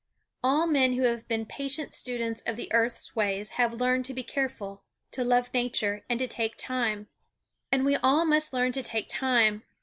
All men who have been patient students of the earth's ways have learned to be careful, to love nature, and to take time. And we all must learn to take time.